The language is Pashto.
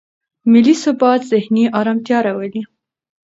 مالي ثبات ذهني ارامتیا راولي.